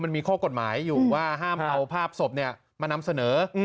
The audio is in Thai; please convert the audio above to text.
มันมีข้อกฎหมายอยู่ว่าห้ามเอาภาพศพมานำเสนอ